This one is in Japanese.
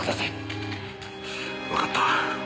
わかった。